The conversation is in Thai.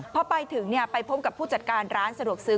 พอไปถึงไปพบกับผู้จัดการร้านสะดวกซื้อ